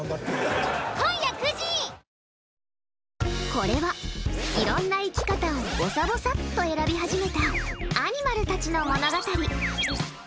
これは、いろんな生き方をぼさぼさっと選び始めたアニマルたちの物語。